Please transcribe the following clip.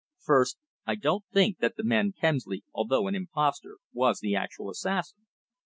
First, I don't think that the man Kemsley, although an impostor, was the actual assassin."